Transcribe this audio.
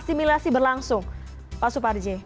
asimilasi berlangsung pak supardji